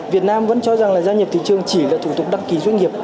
việt nam vẫn cho rằng là gia nhập thị trường chỉ là thủ tục đăng ký doanh nghiệp